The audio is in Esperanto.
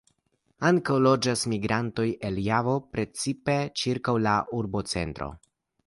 Ankaŭ loĝas migrantoj el Javo precipe ĉirkaŭ la urbocentro.